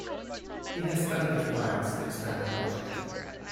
He has tentative plans to expand the project.